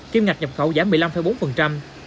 kiêm ngạch nhập khẩu giảm một mươi năm bốn